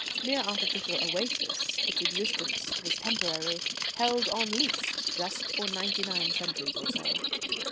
Mere artificial oasis, its existence was temporary, held on lease, just for ninety nine centuries or so.